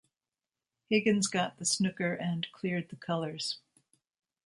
Higgins got the snooker and cleared the colours.